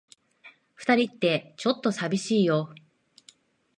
二人って、ちょっと寂しいよ。